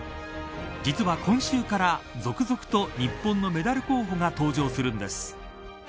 実は、今週から続々と日本のメダル候補が登場するんです。